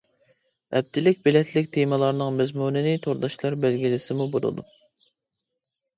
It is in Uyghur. ھەپتىلىك بېلەتلىك تېمىلارنىڭ مەزمۇنىنى تورداشلار بەلگىلىسىمۇ بولىدۇ.